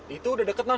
itu udah deket non